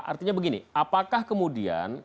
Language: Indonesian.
artinya begini apakah kemudian